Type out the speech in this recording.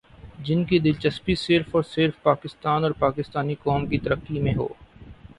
جن کی دلچسپی صرف اور صرف پاکستان اور پاکستانی قوم کی ترقی میں ہو ۔